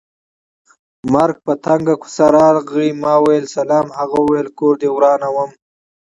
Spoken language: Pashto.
مرګی په تنګه کوڅه راغی ما وېل سلام هغه وېل کور دې ورانومه